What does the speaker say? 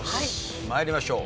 参りましょう。